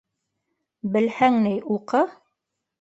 Белһәң, ней, уҡы.